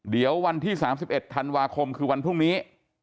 เดี๋ยววันที่๓๑ธันวาคมคือวันพรุ่งนี้